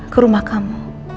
ke rumah kamu